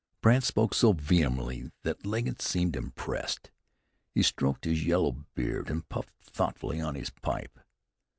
Brandt spoke so vehemently that Legget seemed impressed. He stroked his yellow beard, and puffed thoughtfully on his pipe.